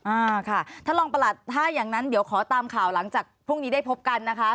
อ่าค่ะท่านรองประหลัดถ้าอย่างนั้นเดี๋ยวขอตามข่าวหลังจากพรุ่งนี้ได้พบกันนะคะ